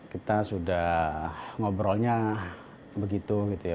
kita sudah ngobrolnya begitu gitu ya